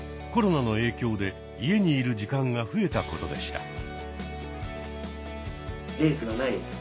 コロナの影響で家にいる時間が増えたことでした。